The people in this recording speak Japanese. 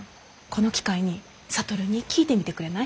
この機会に智に聞いてみてくれない？